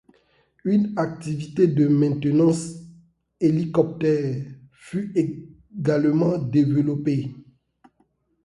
Une activité de maintenance hélicoptère fut également développée.